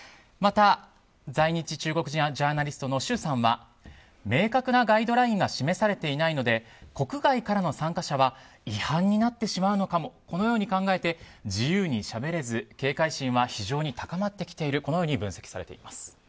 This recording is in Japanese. また在日中国人ジャーナリストの周さんは明確なガイドラインが示されていないので国外からの参加者は違反になってしまうのかもと考えて自由にしゃべれず警戒心は非常に高まってきているとこのように分析されています。